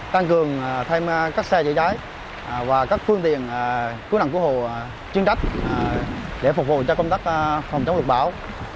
tăng cường thêm các xe chữa cháy và các phương tiện cứu nạn cứu hồ chuyên trách để phục vụ cho công tác phòng chống lục bão